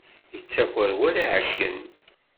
Yettaxer war aɛeyyen.